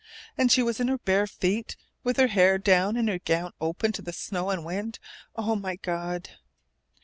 "And she was in her bare feet, with her hair down, and her gown open to the snow and wind! Oh my God!"